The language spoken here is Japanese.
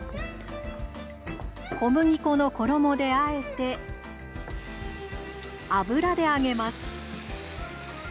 小麦粉の衣であえて油で揚げます。